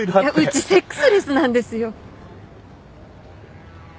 うちセックスレスなんですよ。